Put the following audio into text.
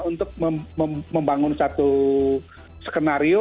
untuk membangun satu skenario